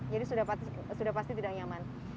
jadi sudah pasti tidak nyaman